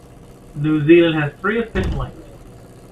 New Zealand has three official languages.